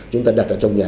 chúng ta đặt ở trong nhà